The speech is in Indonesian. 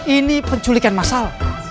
ini penculikan masal